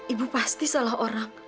ibu pasti salah orang